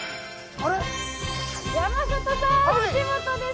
山里さん藤本です。